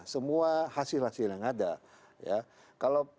semua hasil hasil yang ada